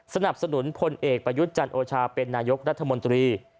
สนับสนุนพลเอกประยุทธ์จันโอชาเป็นนายกรัฐมนตรี